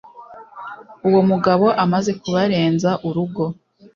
uwo mugabo amaze kubarenza urugo